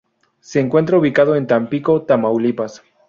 Se encuentra ubicada en Tampico, Tamaulipas.